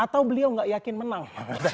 atau beliau nggak yakin menang